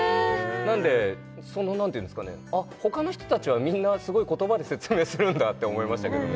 なんで何ていうんすかねあっ他の人達はみんなすごい言葉で説明するんだって思いましたけどね